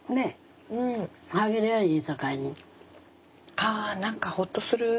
あ何かほっとする。